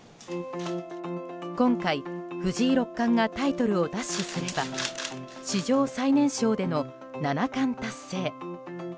今回、藤井六冠がタイトルを奪取すれば史上最年少での七冠達成。